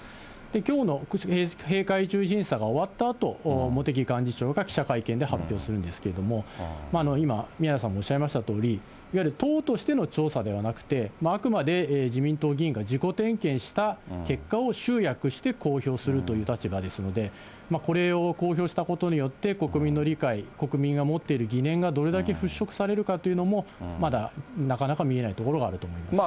きょうの閉会中審査が終わったあと、茂木幹事長が記者会見で発表するんですけど、今、宮根さんもおっしゃいましたとおり、いわゆる党としての調査ではなくて、あくまで自民党議員が自己点検した結果を集約して公表するという立場ですので、これを公表したことによって、国民の理解、国民が持っている疑念がどれだけ払拭されるかというのも、まだなかなか見えない所があると思います。